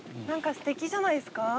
何かすてきじゃないですか。